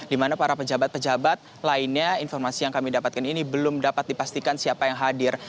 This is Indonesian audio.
di mana para pejabat pejabat lainnya informasi yang kami dapatkan ini belum dapat dipastikan siapa yang hadir